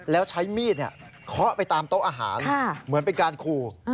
แล้วใช้มีดเคาะไปตามโต๊ะอาหารเหมือนเป็นการขู่